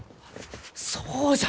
そうじゃ！